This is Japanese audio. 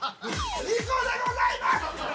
２個でございます。